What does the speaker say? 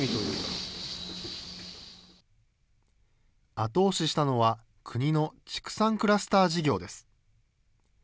後押ししたのは、国の畜産クラスター事業です。